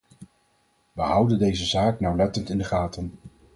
Wij houden deze zaak nauwlettend in de gaten.